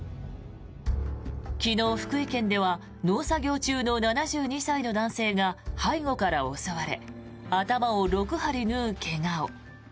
昨日、福井県では農作業中の７２歳の男性が背後から襲われ頭を６針縫う怪我を。